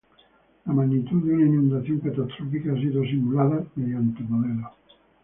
La magnitud de una inundación catastrófica ha sido simulada mediante modelos.